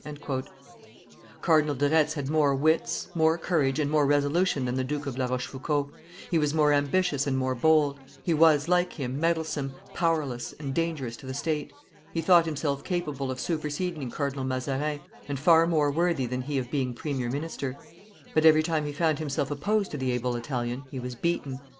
[Illustration: La Rochefoucauld and his fair Friends 629] Cardinal de Retz had more wits, more courage, and more resolution than the Duke of La Rochefoucauld; he was more ambitious and more bold; he was, like him, meddlesome, powerless, and dangerous to the state. He thought himself capable of superseding Cardinal Mazarin, and far more worthy than he of being premier minister; but every time he found himself opposed to the able Italian he was beaten.